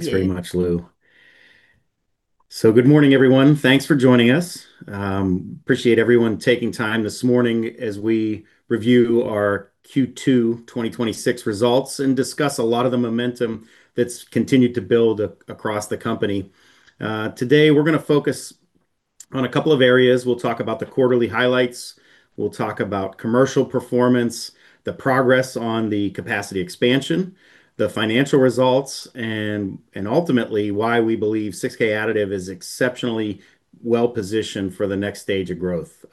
Thanks very much, [Lou]. Good morning, everyone. Thanks for joining us. Appreciate everyone taking time this morning as we review our Q2 2026 results and discuss a lot of the momentum that's continued to build across the company. Today we're going to focus on a couple of areas. We'll talk about the quarterly highlights, we'll talk about commercial performance, the progress on the capacity expansion, the financial results, and ultimately, why we believe 6K Additive is exceptionally well-positioned for the next stage of growth.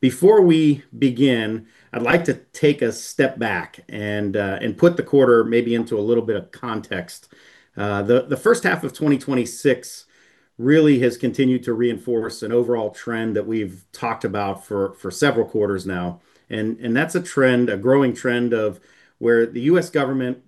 Before we begin, I'd like to take a step back and put the quarter maybe into a little bit of context. The first half of 2026 really has continued to reinforce an overall trend that we've talked about for several quarters now, and that's a growing trend of where the U.S. government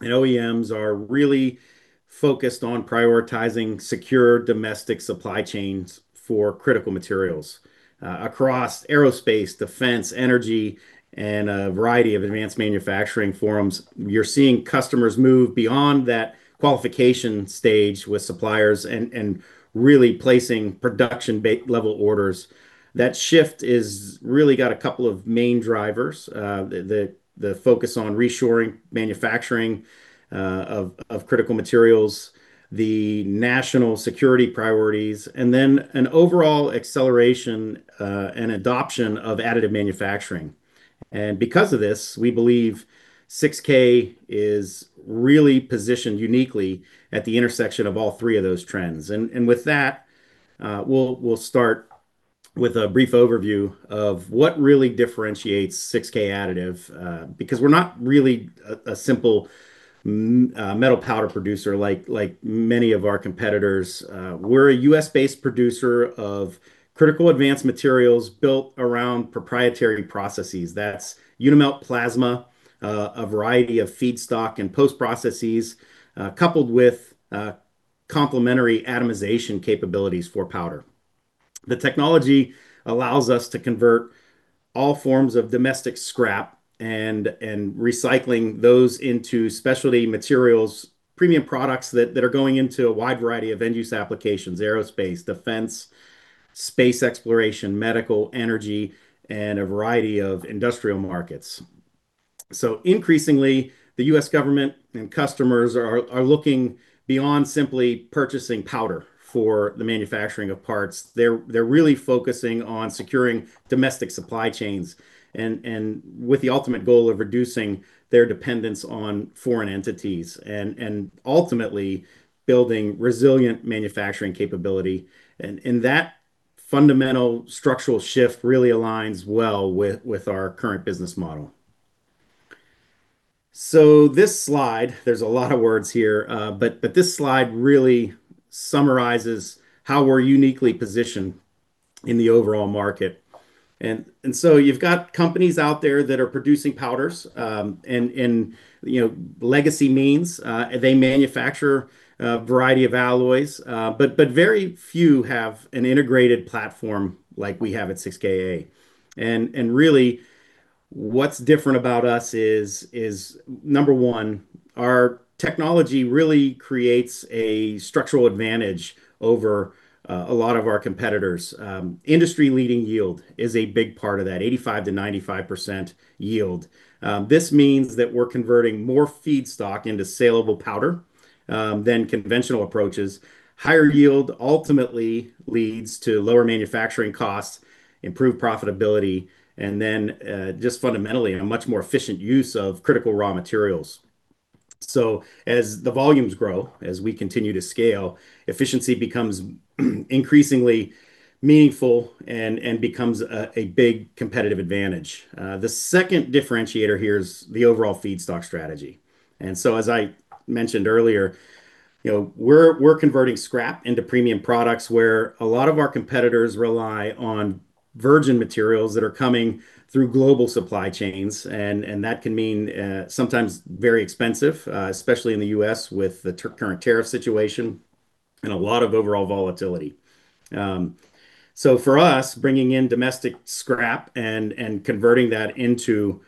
and OEMs are really focused on prioritizing secure domestic supply chains for critical materials. Across aerospace, defense, energy, and a variety of advanced manufacturing forums, you're seeing customers move beyond that qualification stage with suppliers and really placing production level orders. That shift has really got a couple of main drivers. The focus on reshoring manufacturing of critical materials, the national security priorities, and then an overall acceleration and adoption of additive manufacturing. Because of this, we believe 6K is really positioned uniquely at the intersection of all three of those trends. With that, we'll start with a brief overview of what really differentiates 6K Additive, because we're not really a simple metal powder producer like many of our competitors. We're a U.S.-based producer of critical advanced materials built around proprietary processes. That's UniMelt plasma, a variety of feedstock and post-processes, coupled with complementary atomization capabilities for powder. The technology allows us to convert all forms of domestic scrap and recycling those into specialty materials, premium products that are going into a wide variety of end-use applications, aerospace, defense, space exploration, medical, energy, and a variety of industrial markets. Increasingly, the U.S. government and customers are looking beyond simply purchasing powder for the manufacturing of parts. They're really focusing on securing domestic supply chains and with the ultimate goal of reducing their dependence on foreign entities and ultimately building resilient manufacturing capability. That fundamental structural shift really aligns well with our current business model. This slide, there's a lot of words here, but this slide really summarizes how we're uniquely positioned in the overall market. You've got companies out there that are producing powders, and legacy means they manufacture a variety of alloys. Very few have an integrated platform like we have at 6KA. Really what's different about us is, number one, our technology really creates a structural advantage over a lot of our competitors. Industry-leading yield is a big part of that, 85%-95% yield. This means that we're converting more feedstock into saleable powder than conventional approaches. Higher yield ultimately leads to lower manufacturing costs, improved profitability, and then just fundamentally a much more efficient use of critical raw materials. As the volumes grow, as we continue to scale, efficiency becomes increasingly meaningful and becomes a big competitive advantage. The second differentiator here is the overall feedstock strategy. As I mentioned earlier, we're converting scrap into premium products where a lot of our competitors rely on virgin materials that are coming through global supply chains, and that can mean sometimes very expensive, especially in the U.S. with the current tariff situation and a lot of overall volatility. For us, bringing in domestic scrap and converting that into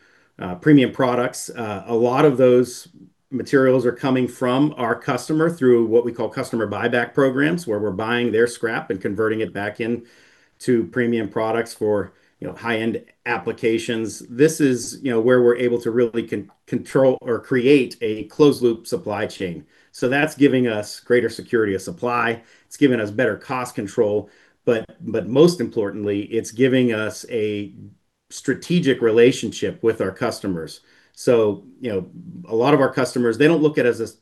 premium products, a lot of those materials are coming from our customer through what we call customer buyback programs, where we're buying their scrap and converting it back into premium products for high-end applications. This is where we're able to really control or create a closed loop supply chain. That's giving us greater security of supply. It's giving us better cost control, but most importantly, it's giving us a strategic relationship with our customers. A lot of our customers, they don't look at us as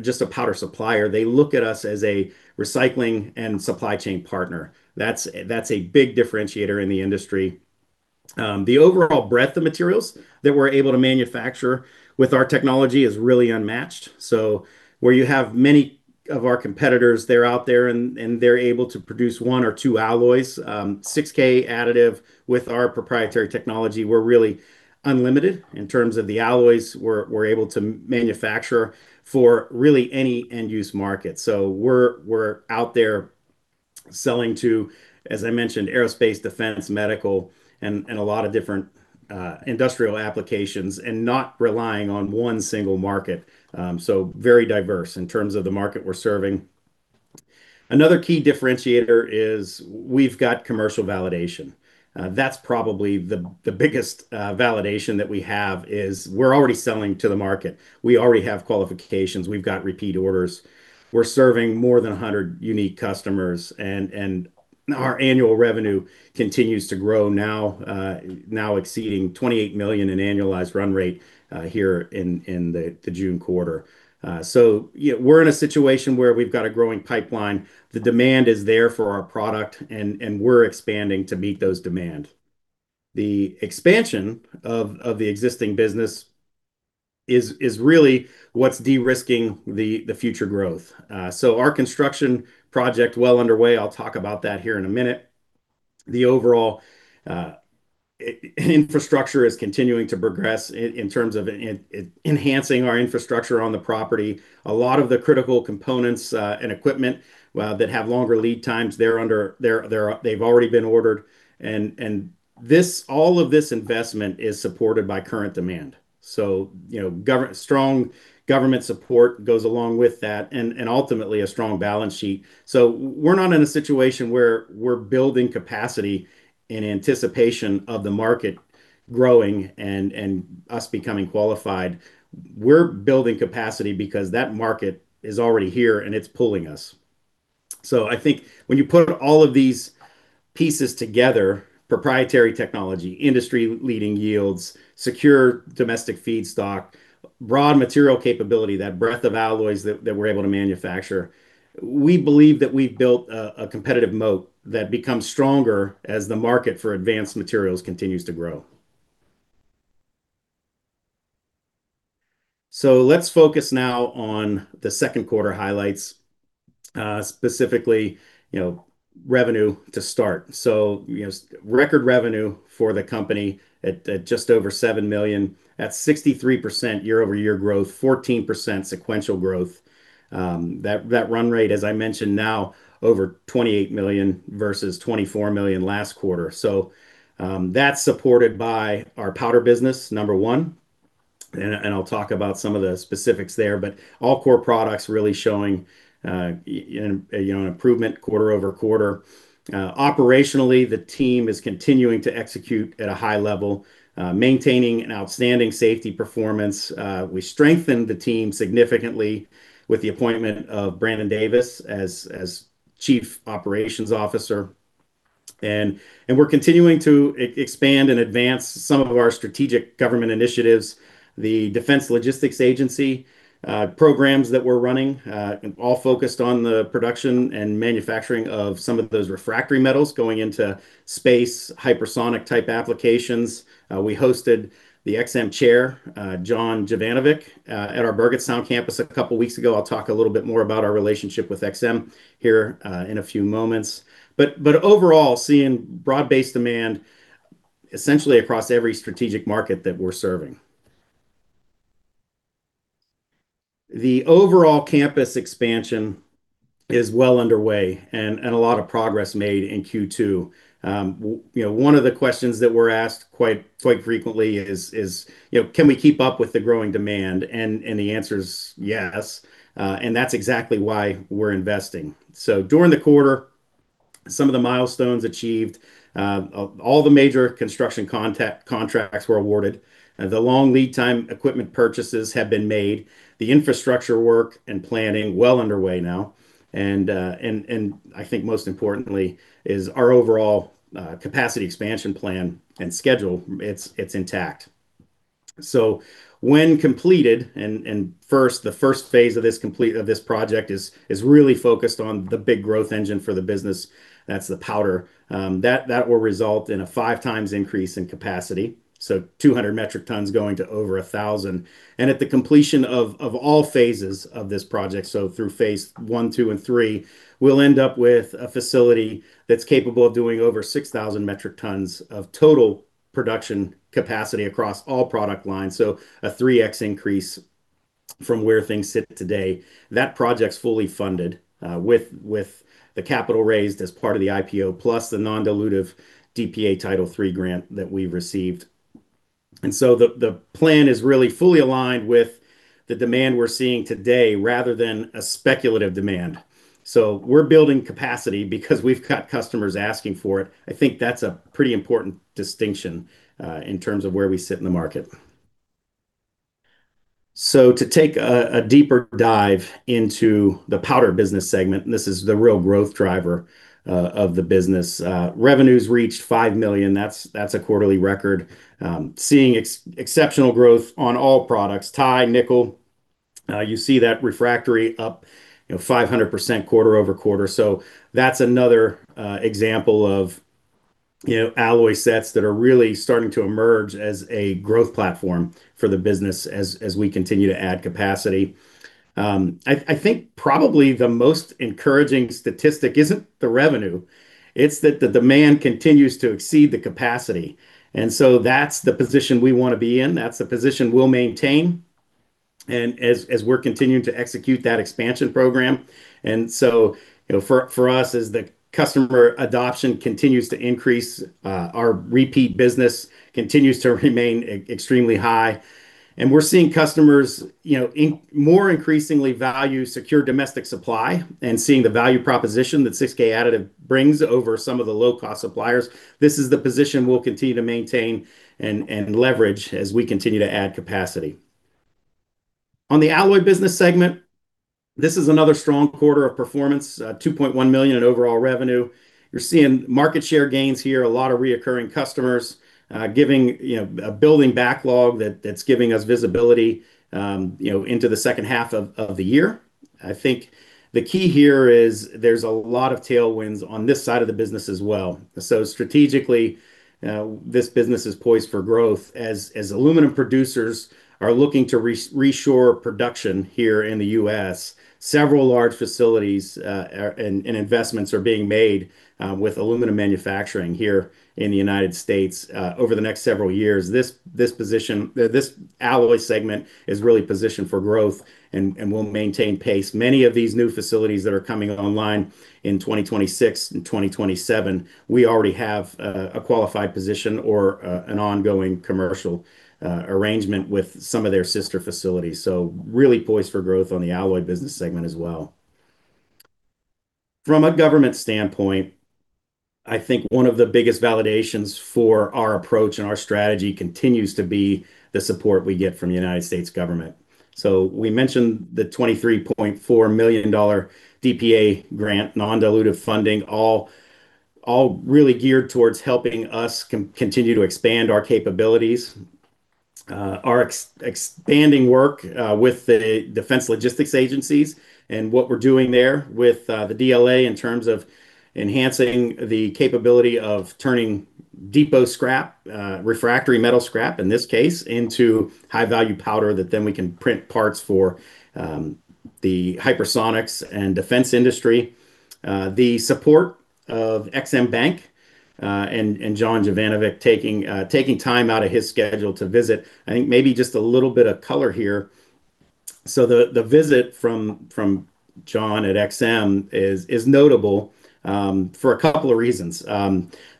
just a powder supplier. They look at us as a recycling and supply chain partner. That's a big differentiator in the industry. The overall breadth of materials that we're able to manufacture with our technology is really unmatched. Where you have many of our competitors, they're out there and they're able to produce one or two alloys. 6K Additive with our proprietary technology, we're really unlimited in terms of the alloys we're able to manufacture for really any end-use market. We're out there selling to, as I mentioned, aerospace defense, medical, and a lot of different industrial applications, and not relying on one single market. Very diverse in terms of the market we're serving. Another key differentiator is we've got commercial validation. That's probably the biggest validation that we have, is we're already selling to the market. We already have qualifications. We've got repeat orders. We're serving more than 100 unique customers, and our annual revenue continues to grow now, exceeding $28 million in annualized run rate here in the June quarter. We're in a situation where we've got a growing pipeline. The demand is there for our product, and we're expanding to meet those demands. The expansion of the existing business is really what's de-risking the future growth. Our construction project well underway. I'll talk about that here in a minute. The overall infrastructure is continuing to progress in terms of enhancing our infrastructure on the property. A lot of the critical components and equipment that have longer lead times they've already been ordered, and all of this investment is supported by current demand. Strong government support goes along with that, and ultimately a strong balance sheet. We're not in a situation where we're building capacity in anticipation of the market growing and us becoming qualified. We're building capacity because that market is already here and it's pulling us. I think when you put all of these pieces together, proprietary technology, industry-leading yields, secure domestic feedstock, broad material capability, that breadth of alloys that we're able to manufacture, we believe that we've built a competitive moat that becomes stronger as the market for advanced materials continues to grow. Let's focus now on the second quarter highlights, specifically revenue to start. Record revenue for the company at just over $7 million. That's 63% year-over-year growth, 14% sequential growth. That run rate, as I mentioned now, over $28 million versus $24 million last quarter. That's supported by our powder business, number one, and I'll talk about some of the specifics there. All core products really showing an improvement quarter-over-quarter. Operationally, the team is continuing to execute at a high level, maintaining an outstanding safety performance. We strengthened the team significantly with the appointment of Brandon Davis as Chief Operating Officer. We're continuing to expand and advance some of our strategic government initiatives. The Defense Logistics Agency programs that we're running, all focused on the production and manufacturing of some of those refractory metals going into space, hypersonic-type applications. We hosted the EXIM chair, John Jovanovic, at our Burgettstown campus a couple of weeks ago. I'll talk a little bit more about our relationship with EXIM here in a few moments. Overall, seeing broad-based demand essentially across every strategic market that we're serving. The overall campus expansion is well underway, and a lot of progress made in Q2. One of the questions that we're asked quite frequently is, can we keep up with the growing demand? The answer is yes. That's exactly why we're investing. During the quarter, some of the milestones achieved, all the major construction contracts were awarded. The long lead time equipment purchases have been made. The infrastructure work and planning well underway now. I think most importantly is our overall capacity expansion plan and schedule, it's intact. When completed, the first phase of this project is really focused on the big growth engine for the business. That's the powder. That will result in a 5x increase in capacity, 200 metric tons going to over 1,000. At the completion of all phases of this project, through Phase I, II, and III, we'll end up with a facility that's capable of doing over 6,000 metric tons of total production capacity across all product lines. A 3x increase from where things sit today. That project's fully funded, with the capital raised as part of the IPO plus the non-dilutive DPA Title III grant that we received. The plan is really fully aligned with the demand we're seeing today rather than a speculative demand. We're building capacity because we've got customers asking for it. I think that's a pretty important distinction in terms of where we sit in the market. To take a deeper dive into the powder business segment, this is the real growth driver of the business. Revenues reached $5 million, that's a quarterly record. Seeing exceptional growth on all products, ti, nickel, you see that refractory up 500% quarter-over-quarter. That's another example of alloy sets that are really starting to emerge as a growth platform for the business as we continue to add capacity. I think probably the most encouraging statistic isn't the revenue, it's that the demand continues to exceed the capacity. That's the position we want to be in. That's the position we'll maintain. As we're continuing to execute that expansion program. For us, as the customer adoption continues to increase, our repeat business continues to remain extremely high. We're seeing customers more increasingly value secure domestic supply and seeing the value proposition that 6K Additive brings over some of the low-cost suppliers. This is the position we'll continue to maintain and leverage as we continue to add capacity. On the alloy business segment, this is another strong quarter of performance, $2.1 million in overall revenue. You're seeing market share gains here, a lot of recurring customers, building backlog that's giving us visibility into the second half of the year. I think the key here is there's a lot of tailwinds on this side of the business as well. Strategically, this business is poised for growth as aluminum producers are looking to reshore production here in the U.S., several large facilities and investments are being made with aluminum manufacturing here in the United States over the next several years. This alloy segment is really positioned for growth and will maintain pace. Many of these new facilities that are coming online in 2026 and 2027, we already have a qualified position or an ongoing commercial arrangement with some of their sister facilities. Really poised for growth on the alloy business segment as well. From a government standpoint, I think one of the biggest validations for our approach and our strategy continues to be the support we get from the United States government. We mentioned the $23.4 million DPA Grant, non-dilutive funding, all really geared towards helping us continue to expand our capabilities. Our expanding work with the Defense Logistics Agency and what we're doing there with the DLA in terms of enhancing the capability of turning depot scrap, refractory metal scrap, in this case, into high-value powder that then we can print parts for the hypersonics and defense industry. The support of EXIM Bank, and John Jovanovic taking time out of his schedule to visit. I think maybe just a little bit of color here. The visit from John at EXIM is notable for a couple of reasons.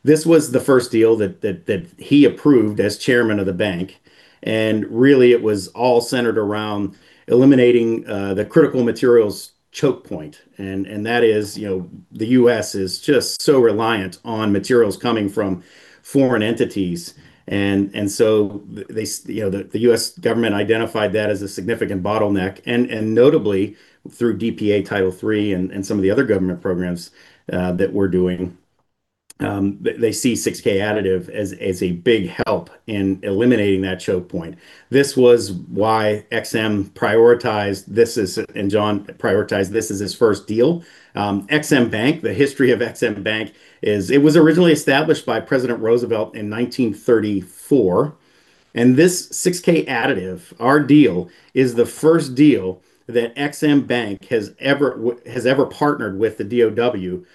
This was the first deal that he approved as chairman of the bank. Really it was all centered around eliminating the critical materials choke point. That is, the U.S. is just so reliant on materials coming from foreign entities. The U.S. government identified that as a significant bottleneck. Notably, through DPA Title III and some of the other government programs that we're doing, they see 6K Additive as a big help in eliminating that choke point. This was why EXIM prioritized this, and John prioritized this as his first deal. EXIM Bank, the history of EXIM Bank is it was originally established by President Roosevelt in 1934. This 6K Additive, our deal is the first deal that EXIM Bank has ever partnered with the DoD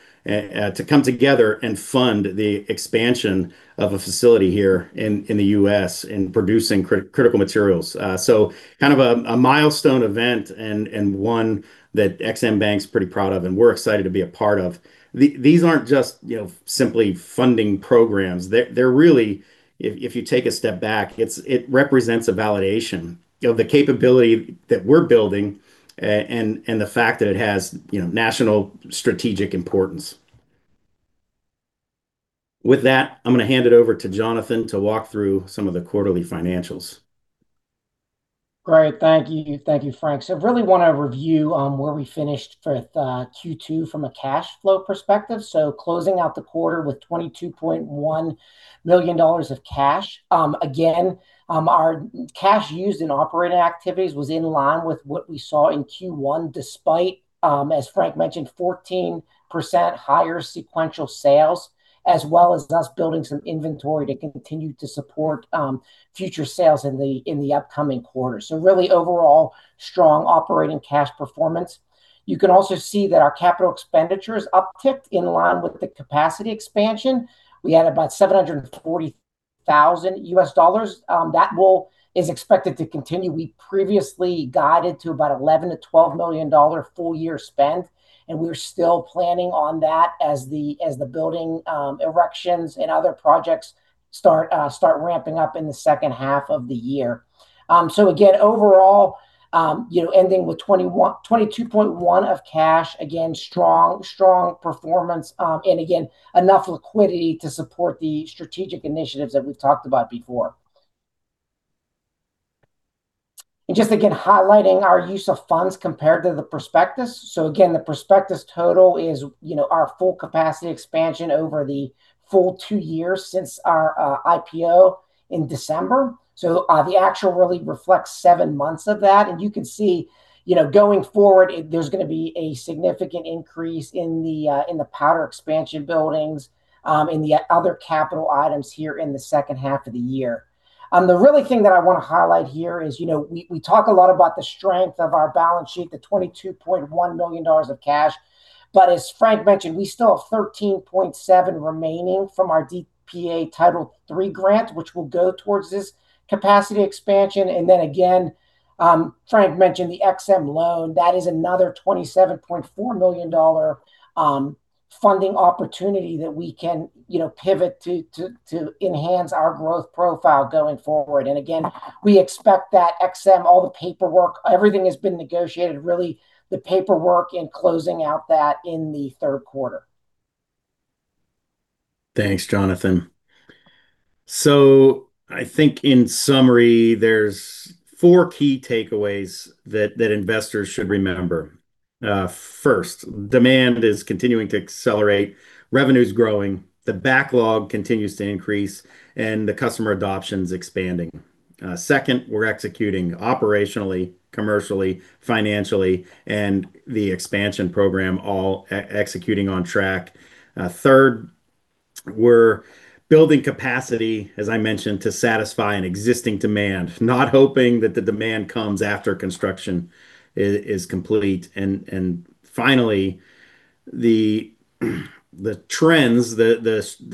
to come together and fund the expansion of a facility here in the U.S. in producing critical materials. Kind of a milestone event and one that EXIM Bank's pretty proud of, and we're excited to be a part of. These aren't just simply funding programs. They're really, if you take a step back, it represents a validation. The capability that we're building and the fact that it has national strategic importance. With that, I'm going to hand it over to Jonathan to walk through some of the quarterly financials. Great. Thank you. Thank you, Frank. I really want to review where we finished with Q2 from a cash flow perspective. Closing out the quarter with $22.1 million of cash. Again, our cash used in operating activities was in line with what we saw in Q1, despite, as Frank mentioned, 14% higher sequential sales, as well as thus building some inventory to continue to support future sales in the upcoming quarter. Really overall strong operating cash performance. You can also see that our capital expenditures upticked in line with the capacity expansion. We had about $740,000. That is expected to continue. We previously guided to about $11 million-$12 million full year spend, and we're still planning on that as the building erections and other projects start ramping up in the second half of the year. Again, overall, ending with $22.1 [million] of cash. Again, strong performance, again, enough liquidity to support the strategic initiatives that we've talked about before. Just again, highlighting our use of funds compared to the prospectus. The prospectus total is our full capacity expansion over the full two years since our IPO in December. The actual really reflects seven months of that. You can see, going forward, there's going to be a significant increase in the powder expansion buildings, and the other capital items here in the second half of the year. The really thing that I want to highlight here is we talk a lot about the strength of our balance sheet, the $22.1 million of cash. As Frank mentioned, we still have $13.7 [million] remaining from our DPA Title III grant, which will go towards this capacity expansion. Then again, Frank mentioned the EXIM loan. That is another $27.4 million funding opportunity that we can pivot to enhance our growth profile going forward. Again, we expect that EXIM, all the paperwork, everything has been negotiated, really the paperwork and closing out that in the third quarter. Thanks, Jonathan. In summary, there's four key takeaways that investors should remember. First, demand is continuing to accelerate, revenue's growing, the backlog continues to increase, and the customer adoption's expanding. Second, we're executing operationally, commercially, financially, and the expansion program all executing on track. Third, we're building capacity, as I mentioned, to satisfy an existing demand, not hoping that the demand comes after construction is complete. Finally, the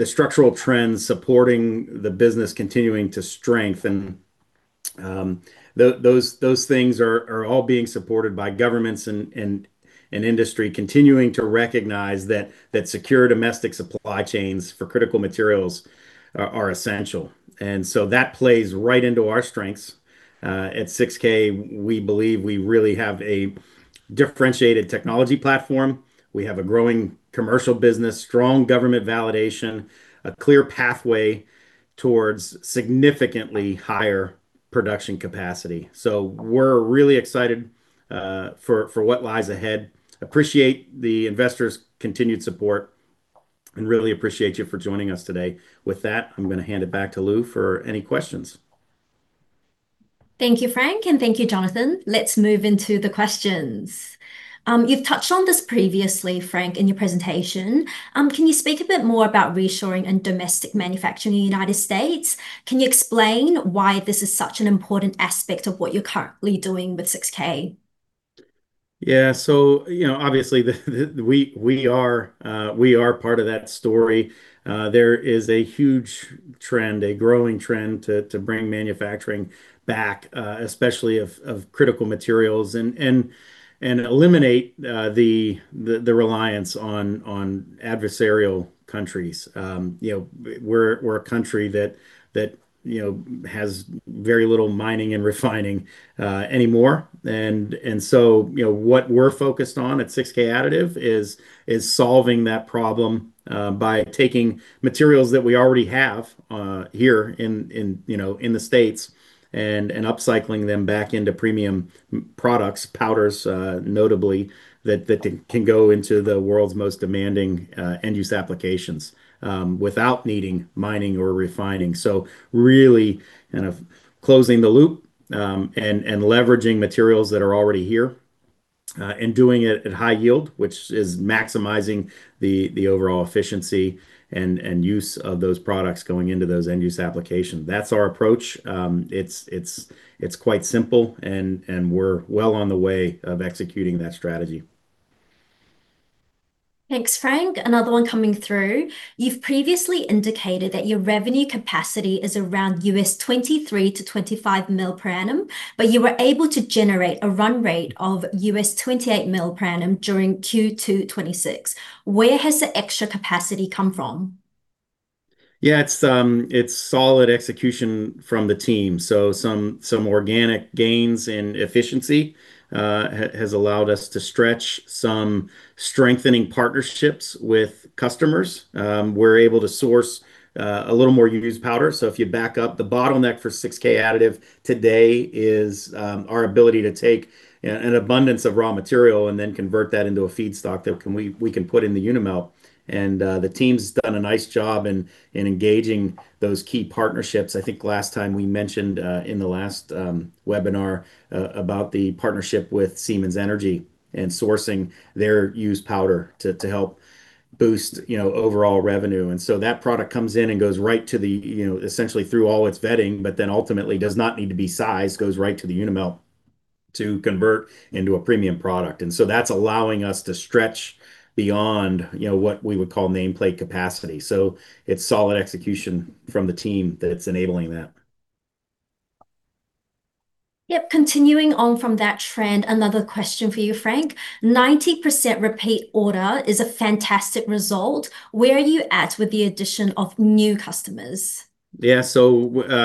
structural trends supporting the business continuing to strengthen. Those things are all being supported by governments and industry continuing to recognize that secure domestic supply chains for critical materials are essential. That plays right into our strengths. At 6K, we believe we really have a differentiated technology platform. We have a growing commercial business, strong government validation, a clear pathway towards significantly higher production capacity. We're really excited for what lies ahead. Appreciate the investors' continued support and really appreciate you for joining us today. With that, I'm going to hand it back to [Lou] for any questions. Thank you, Frank, and thank you, Jonathan. Let's move into the questions. You've touched on this previously, Frank, in your presentation. Can you speak a bit more about reshoring and domestic manufacturing in the United States? Can you explain why this is such an important aspect of what you're currently doing with 6K? Yeah. Obviously, we are part of that story. There is a huge trend, a growing trend to bring manufacturing back, especially of critical materials, and eliminate the reliance on adversarial countries. We're a country that has very little mining and refining anymore. What we're focused on at 6K Additive is solving that problem by taking materials that we already have here in the States and upcycling them back into premium products, powders, notably, that can go into the world's most demanding end-use applications without needing mining or refining. Really kind of closing the loop, and leveraging materials that are already here, and doing it at high yield, which is maximizing the overall efficiency and use of those products going into those end-use applications. That's our approach. It's quite simple and we're well on the way of executing that strategy. Thanks, Frank. Another one coming through. You've previously indicated that your revenue capacity is around $23 million-$25 million per annum, but you were able to generate a run rate of $28 million per annum during Q2 2026. Where has the extra capacity come from? It's solid execution from the team. Some organic gains in efficiency has allowed us to stretch some strengthening partnerships with customers. We're able to source a little more used powder. If you back up, the bottleneck for 6K Additive today is our ability to take an abundance of raw material and then convert that into a feedstock that we can put in the UniMelt. The team's done a nice job in engaging those key partnerships. I think last time we mentioned, in the last webinar, about the partnership with Siemens Energy and sourcing their used powder to help boost overall revenue. That product comes in and goes right to the, essentially through all its vetting, but then ultimately does not need to be sized, goes right to the UniMelt to convert into a premium product. That's allowing us to stretch beyond what we would call nameplate capacity. It's solid execution from the team that's enabling that. Yep. Continuing on from that trend, another question for you, Frank. 90% repeat order is a fantastic result. Where are you at with the addition of new customers? Yeah.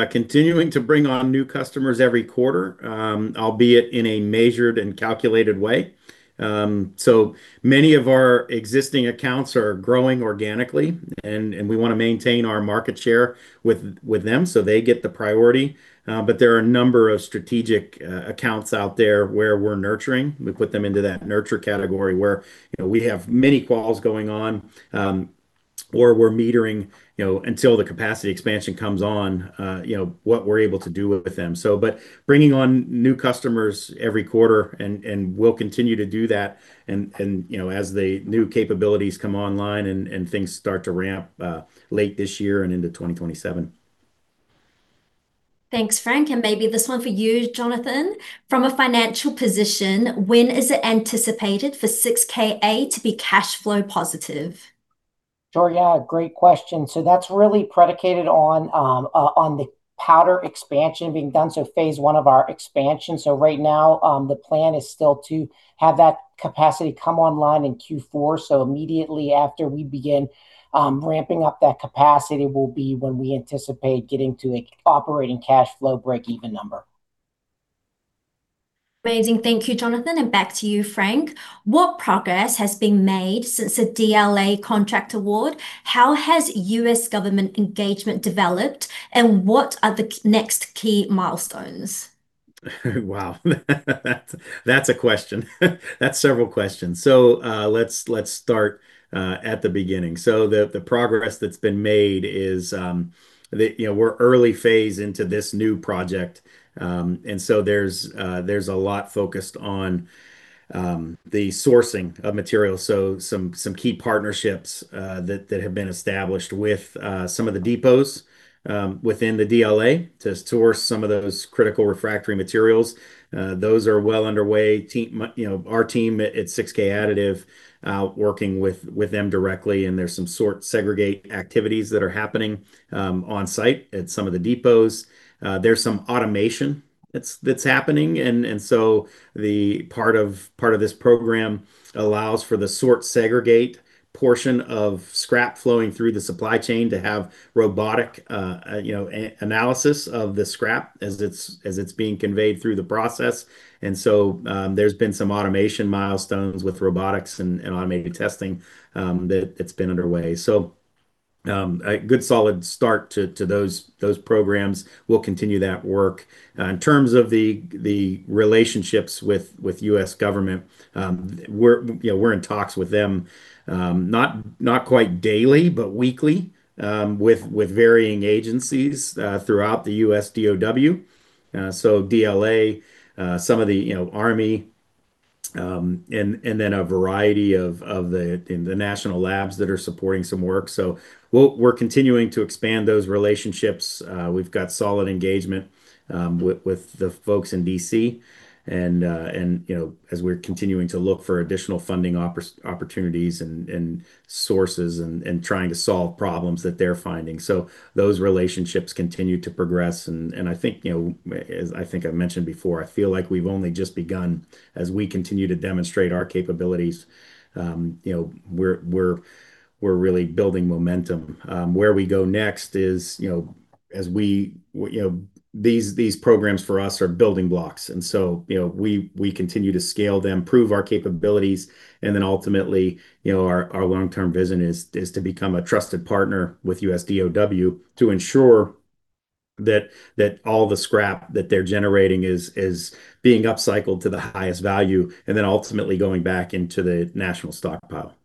Continuing to bring on new customers every quarter, albeit in a measured and calculated way. Many of our existing accounts are growing organically and we want to maintain our market share with them so they get the priority. There are a number of strategic accounts out there where we're nurturing. We put them into that nurture category where we have many calls going on, or we're metering until the capacity expansion comes on, what we're able to do with them. Bringing on new customers every quarter and we'll continue to do that, and as the new capabilities come online and things start to ramp late this year and into 2027. Thanks, Frank, and maybe this one for you, Jonathan. From a financial position, when is it anticipated for 6KA to be cash flow positive? Sure. Yeah, great question. That's really predicated on the powder expansion being done, so Phase I of our expansion. Right now, the plan is still to have that capacity come online in Q4. Immediately after we begin ramping up that capacity will be when we anticipate getting to a operating cash flow breakeven number. Amazing. Thank you, Jonathan, and back to you, Frank. What progress has been made since the DLA contract award? How has U.S. government engagement developed, and what are the next key milestones? Wow. That's a question. That's several questions. Let's start at the beginning. The progress that's been made is, we're early phase into this new project, and so there's a lot focused on the sourcing of materials. Some key partnerships that have been established with some of the depots within the DLA to source some of those critical refractory materials. Those are well underway. Our team at 6K Additive are working with them directly, and there's some sort segregate activities that are happening on site at some of the depots. There's some automation that's happening. Part of this program allows for the sort segregate portion of scrap flowing through the supply chain to have robotic analysis of the scrap as it's being conveyed through the process. There's been some automation milestones with robotics and automated testing that's been underway. A good solid start to those programs. We'll continue that work. In terms of the relationships with U.S. government, we're in talks with them, not quite daily, but weekly, with varying agencies throughout the U.S. DoD. So DLA, some of the army, and then a variety of the national labs that are supporting some work. We're continuing to expand those relationships. We've got solid engagement with the folks in D.C., and as we're continuing to look for additional funding opportunities and sources and trying to solve problems that they're finding. Those relationships continue to progress, and I think I've mentioned before, I feel like we've only just begun. As we continue to demonstrate our capabilities, we're really building momentum. Where we go next is, these programs for us are building blocks, and so we continue to scale them, prove our capabilities, and then ultimately, our long-term vision is to become a trusted partner with U.S. DoW to ensure that all the scrap that they're generating is being upcycled to the highest value, and then ultimately going back into the national stockpile.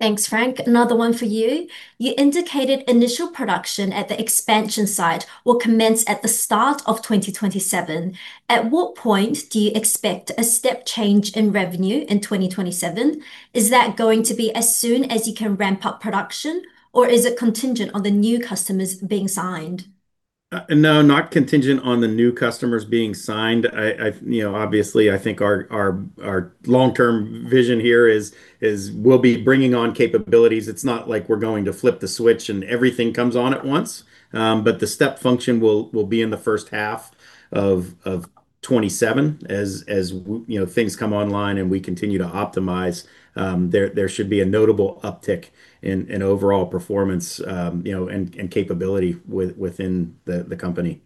Thanks, Frank. Another one for you. You indicated initial production at the expansion site will commence at the start of 2027. At what point do you expect a step change in revenue in 2027? Is that going to be as soon as you can ramp up production, or is it contingent on the new customers being signed? Not contingent on the new customers being signed. Obviously, I think our long-term vision here is we'll be bringing on capabilities. It's not like we're going to flip the switch and everything comes on at once. The step function will be in the first half of 2027. As things come online and we continue to optimize, there should be a notable uptick in overall performance, and capability within the company.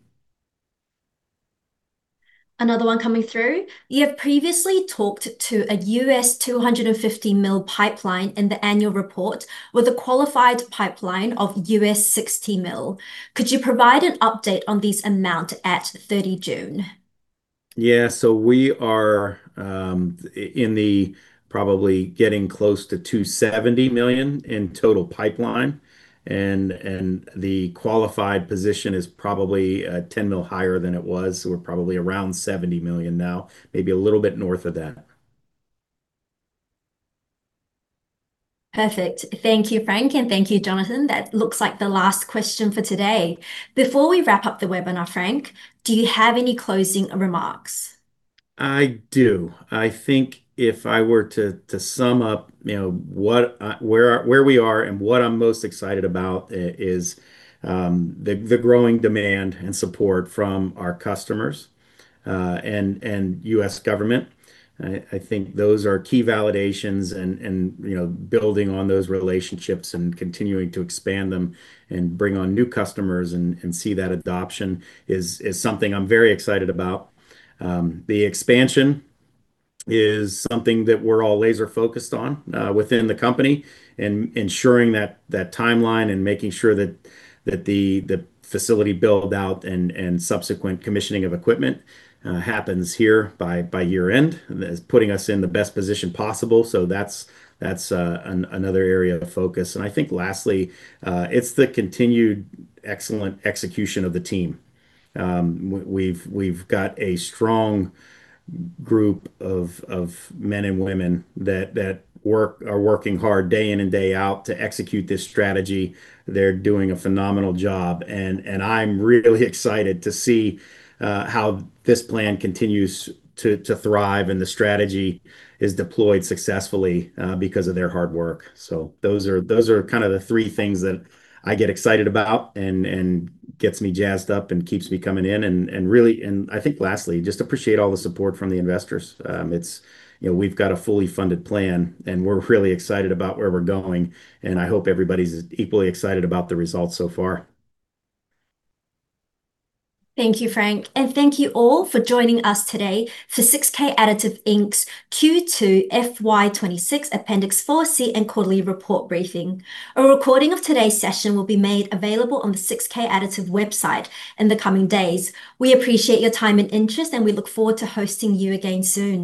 Another one coming through. You have previously talked to a $250 million pipeline in the annual report with a qualified pipeline of $60 million. Could you provide an update on this amount at 30 June? We are in the probably getting close to $270 million in total pipeline. The qualified position is probably $10 million higher than it was. We're probably around $70 million now, maybe a little bit north of that. Perfect. Thank you, Frank, and thank you, Jonathan. That looks like the last question for today. Before we wrap up the webinar, Frank, do you have any closing remarks? I do. I think if I were to sum up where we are and what I'm most excited about, is the growing demand and support from our customers and U.S. government. I think those are key validations. Building on those relationships and continuing to expand them and bring on new customers and see that adoption is something I'm very excited about. The expansion is something that we're all laser-focused on within the company, and ensuring that that timeline and making sure that the facility build-out and subsequent commissioning of equipment happens here by year-end is putting us in the best position possible. That's another area of focus. I think lastly, it's the continued excellent execution of the team. We've got a strong group of men and women that are working hard day in and day out to execute this strategy. They're doing a phenomenal job. I'm really excited to see how this plan continues to thrive, and the strategy is deployed successfully, because of their hard work. Those are kind of the three things that I get excited about and gets me jazzed up and keeps me coming in. I think lastly, just appreciate all the support from the investors. We've got a fully funded plan, and we're really excited about where we're going, and I hope everybody's equally excited about the results so far. Thank you, Frank, and thank you all for joining us today for 6K Additive, Inc's Q2 FY 2026 Appendix 4C and Quarterly Report briefing. A recording of today's session will be made available on the 6K Additive website in the coming days. We appreciate your time and interest, and we look forward to hosting you again soon.